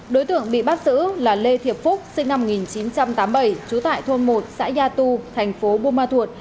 đối tượng bị bắt giữ là lê thiệp phúc sinh năm một nghìn chín trăm tám mươi bảy trú tại thôn một xã gia tu thành phố buôn ma thuột